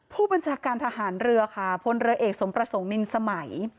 ผู้บัญชาการทหารเรือค่ะพลเรือเอกสมประสงค์นินสมัย